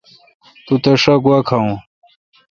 تو تس شا گوا کھاوون۔